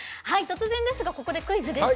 突然ですがここでクイズです。